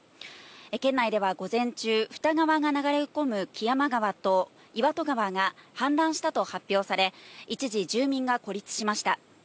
県内では午前中、布田川が流れ込む木山川と岩戸川が氾濫したと発表され、一時、住民が孤立しました。